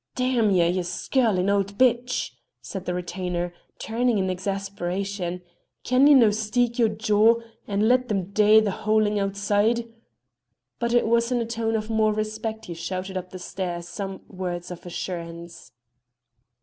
"D n ye, ye skirlin' auld bitch!" said the retainer, turning in exasperation, "can ye no steeck your jaw, and let them dae the howlin' outside?" But it was in a tone of more respect he shouted up the stair some words of assurance.